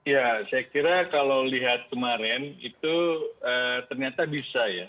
ya saya kira kalau lihat kemarin itu ternyata bisa ya